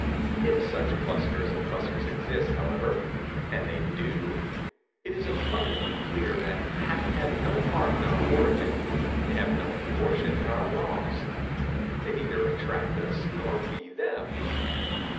If such clusters of clusters exist, however—and they do—it is abundantly clear that, having had no part in our origin, they have no portion in our laws. They neither attract us, nor we them.